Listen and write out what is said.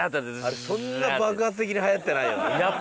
あれそんな爆発的に流行ってないよね。